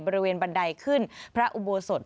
บันไดขึ้นพระอุโบสถ